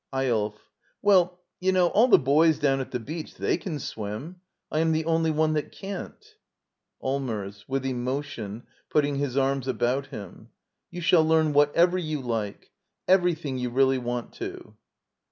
Eyolf. Well, you know, all the bo3rs down at the beach, they can swim. I am the only one that can't. Allmers. [With emotion; putting his arms about him.] You shall learn whatever you like — everything you really want to.